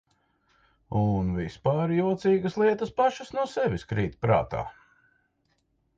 Un vispār jocīgas lietas pašas no sevis krīt prātā.